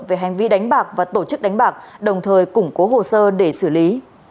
về hành vi đánh bạc và tổ chức đánh bạc đồng thời củng cố hồ sơ để xử lý